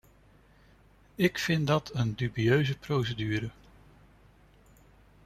Ik vind dat een dubieuze procedure.